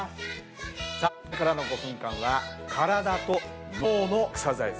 さあこれからの５分間は体と脳のエクササイズ。